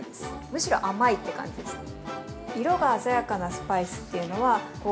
むしろ甘いって感じんですね。